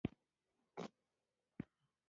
په کمزورو او زړو رحم کول پکار دي.